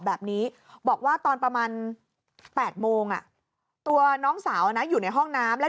แบบนี้บอกว่าตอนประมาณ๘โมงตัวน้องสาวอยู่ในห้องน้ำแล้ว